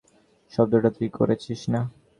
শব্দটা তুই করেছিস না?